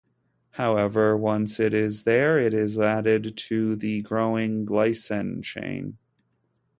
However, once it is there, it is added to the growing glycan chain.